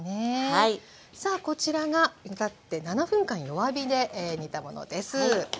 さあこちらが煮立って７分間弱火で煮たものです。